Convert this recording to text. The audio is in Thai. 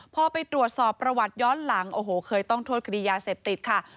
พอไปตรวจสอบประวัติย้อนหลังโอ้โหเคยต้องโทษคดียาเสพติดค่ะ